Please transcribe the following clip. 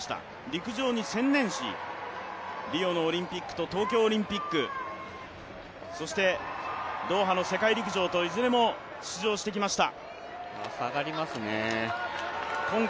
陸上に専念し、リオのオリンピックと東京オリンピック、そしてドーハの世界陸上といずれも出場してきました。